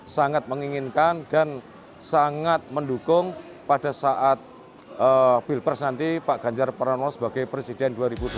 sangat menginginkan dan sangat mendukung pada saat pilpres nanti pak ganjar pranowo sebagai presiden dua ribu dua puluh